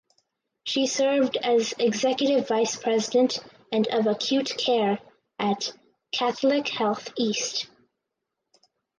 She served as Executive Vice President and of Acute Care at Catholic Health East.